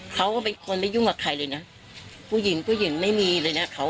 เขาก็เป็นคนไม่ยุ่งกับใครเลยนะผู้หญิงผู้หญิงไม่มีเลยนะเขา